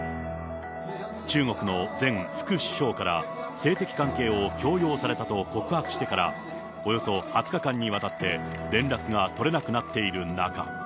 中国の前副首相から、性的関係を強要されたと告白してからおよそ２０日間にわたって連絡が取れなくなっている中。